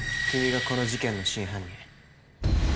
君がこの事件の真犯人。